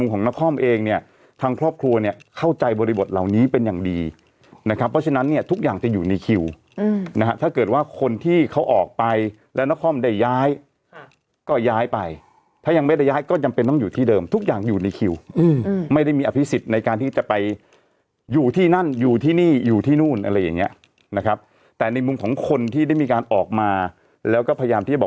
ของนครเองเนี่ยทางครอบครัวเนี่ยเข้าใจบริบทเหล่านี้เป็นอย่างดีนะครับเพราะฉะนั้นเนี่ยทุกอย่างจะอยู่ในคิวนะฮะถ้าเกิดว่าคนที่เขาออกไปแล้วนครได้ย้ายก็ย้ายไปถ้ายังไม่ได้ย้ายก็จำเป็นต้องอยู่ที่เดิมทุกอย่างอยู่ในคิวไม่ได้มีอภิษฎในการที่จะไปอยู่ที่นั่นอยู่ที่นี่อยู่ที่นู่นอะไรอย่างเงี้ยนะครับแต่ในมุมของคนที่ได้มีการออกมาแล้วก็พยายามที่จะบอก